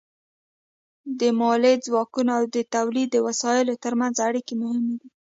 د مؤلده ځواکونو او د تولید د وسایلو ترمنځ اړیکې مهمې دي.